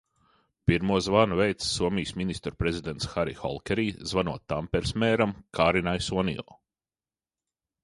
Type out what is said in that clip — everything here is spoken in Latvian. Pirmo zvanu veica Somijas ministru prezidents Hari Holkeri, zvanot Tamperes mēram Kārinai Sonio.